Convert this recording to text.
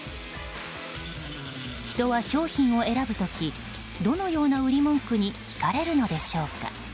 人は商品を選ぶ時どのような売り文句に引かれるのでしょうか。